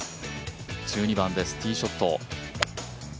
１２番ですティーショット。